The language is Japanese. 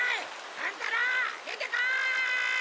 乱太郎出てこい！